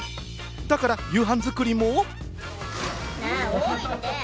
だから夕飯作りも。